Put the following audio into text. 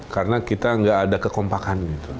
karena kita tidak ada kekompakan gitu